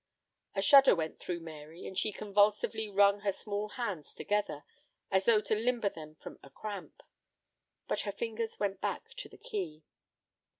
A shudder went through Mary, and she convulsively wrung her small hands together, as though to limber them from a cramp. But her fingers went back to the key.